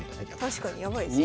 確かにやばいですね。